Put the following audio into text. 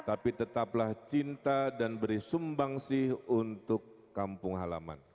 tapi tetaplah cinta dan beri sumbang sih untuk kampung halaman